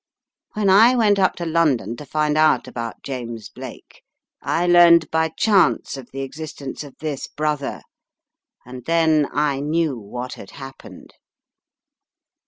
When I went up to London to find out about James Blake, I learned by chance of the existence of this brother and then I knew what had happened.